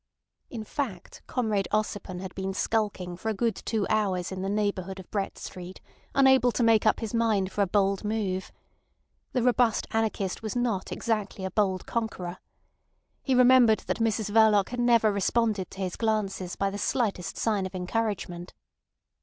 In fact, Comrade Ossipon had been skulking for a good two hours in the neighbourhood of Brett Street, unable to make up his mind for a bold move. The robust anarchist was not exactly a bold conqueror. He remembered that Mrs Verloc had never responded to his glances by the slightest sign of encouragement.